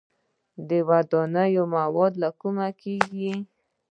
د ودانیو مواد له کومه کیږي؟